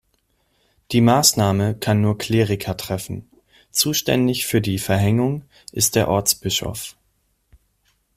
Die Maßnahme kann nur Kleriker treffen; zuständig für die Verhängung ist der Ortsbischof.